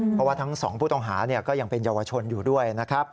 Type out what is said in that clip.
เพราะว่าทั้งสองผู้ต้องหาก็ยังเป็นเยาวชนอยู่ด้วยนะครับ